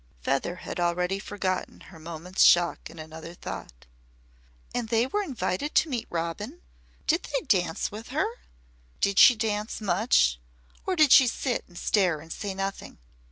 Feather had already forgotten her moment's shock in another thought. "And they were invited to meet Robin! Did they dance with her? Did she dance much? Or did she sit and stare and say nothing?